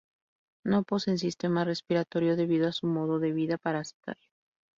No poseen sistema respiratorio debido a su modo de vida parasitario.